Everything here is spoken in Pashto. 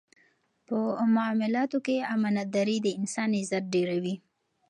په معاملاتو کې امانتداري د انسان عزت ډېروي.